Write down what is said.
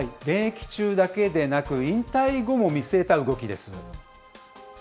現役中だけでなく、引退後も見据えた動きです。